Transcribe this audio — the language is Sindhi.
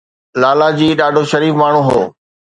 لالاجي ڏاڍو شريف ماڻهو هو